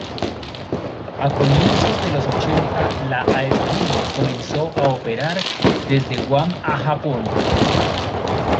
A comienzos de los ochenta la aerolínea comenzó a operar desde Guam a Japón.